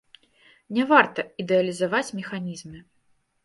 Не варта ідэалізаваць механізмы.